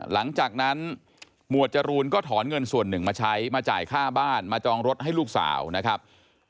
หลังจากนั้นหมวดจรูนก็ถอนเงินส่วนหนึ่งมาใช้มาจ่ายค่าบ้านมาจองรถให้ลูกสาวนะครับ